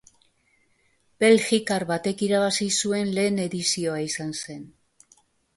Belgikar batek irabazi zuen lehen edizioa izan zen.